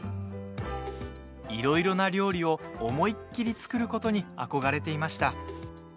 いろいろな料理を思いっきり作ることに憧れていました。